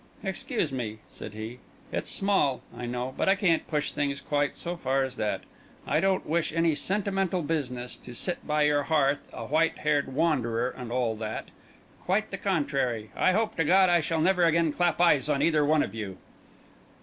"Excuse me," said he. "It's small, I know; but I can't push things quite so far as that. I don't wish any sentimental business, to sit by your hearth a white haired wanderer, and all that. Quite the contrary: I hope to God I shall never again clap eyes on either one of you."